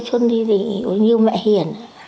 sơ xuân như mẹ hiền